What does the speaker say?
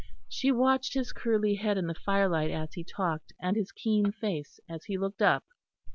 She watched his curly head in the firelight as he talked, and his keen face as he looked up.